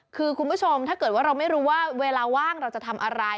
คือคุณผู้ชมถ้าเกิดว่าเราไม่รู้ว่าเวลาว่างเราจะทำอะไร